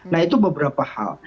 nah itu beberapa hal